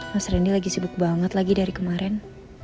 mas rendy lagi sibuk banget lagi dari kemarin